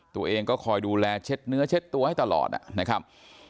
ตัวเองก็คอยดูแลเช็ดเนื้อเช็ดตัวให้ตลอดนะครับ